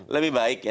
lebih baik ya